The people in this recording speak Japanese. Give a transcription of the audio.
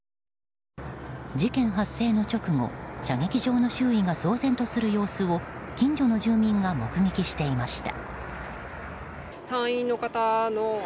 事件発生の直後射撃場の周囲が騒然とする様子を近所の住民が目撃していました。